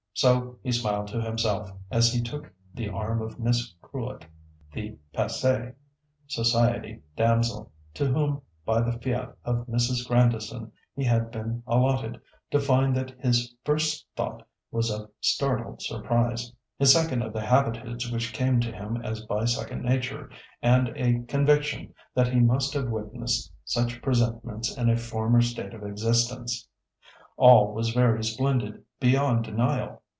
So he smiled to himself, as he took the arm of Miss Crewit the passée society damsel to whom, by the fiat of Mrs. Grandison, he had been allotted, to find that his first thought was of startled surprise—his second of the habitudes which came to him as by second nature, and a conviction that he must have witnessed such presentments in a former state of existence. All was very splendid, beyond denial.